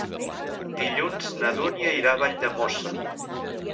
Dilluns na Dúnia irà a Valldemossa.